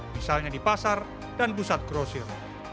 misalnya di pasar dan pusat grosir